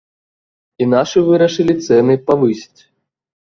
І нашы вырашылі цэны павысіць.